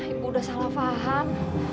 ibu udah salah paham